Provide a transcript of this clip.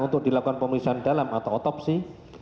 untuk dilakukan pemeriksaan dalam atau otopsi